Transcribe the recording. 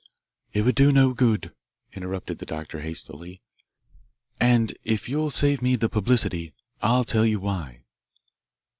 "It would do no good," interrupted the doctor hastily. "And if you'll save me the publicity, I'll tell you why."